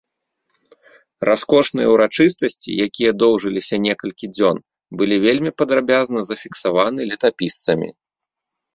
Раскошныя ўрачыстасці, якія доўжыліся некалькі дзён, былі вельмі падрабязна зафіксаваны летапісцамі.